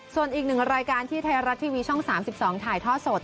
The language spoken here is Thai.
ส่วนอีกหนึ่งรายการที่ไทยรัฐทีวีช่อง๓๒ถ่ายทอดสด